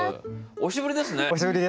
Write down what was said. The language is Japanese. お久しぶりです。